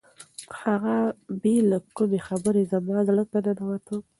هغه بې له کومې خبرې زما زړه ته ننوته.